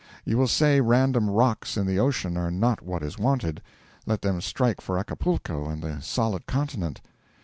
You will say random rocks in the ocean are not what is wanted; let them strike for Acapulco and the solid continent.